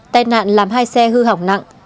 tài nạn làm hai xe hư hỏng nặng